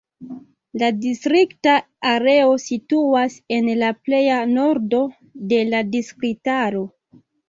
La distrikta areo situas en la pleja nordo de la distriktaro.